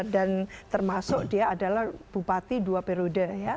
dan termasuk dia adalah bupati dua periode